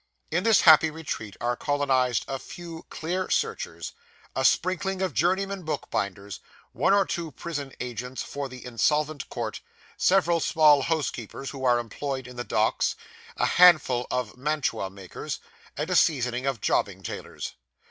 In this happy retreat are colonised a few clear starchers, a sprinkling of journeymen bookbinders, one or two prison agents for the Insolvent Court, several small housekeepers who are employed in the Docks, a handful of mantua makers, and a seasoning of jobbing tailors.